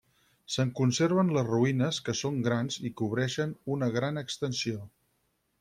Se'n conserven les ruïnes, que són grans i cobreixen una gran extensió.